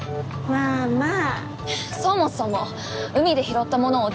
まあまあ。